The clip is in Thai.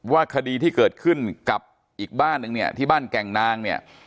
คดีที่เกิดขึ้นกับอีกบ้านนึงเนี่ยที่บ้านแก่งนางเนี่ย